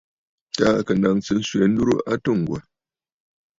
Taà kɨ naŋsə swɛ̌ ndurə a atû Ŋgwà.